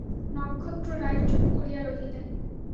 নক্ষত্ররায় চুপ করিয়া রহিলেন।